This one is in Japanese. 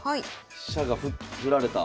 飛車が振られた。